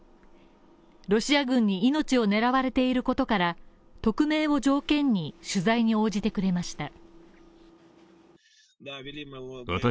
ロシア軍に命を狙われていることから、匿名を条件に取材に応じてくれました。